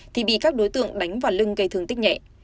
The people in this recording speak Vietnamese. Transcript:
thì bị các đối tượng đánh vào lưng gây thương tích nhẹ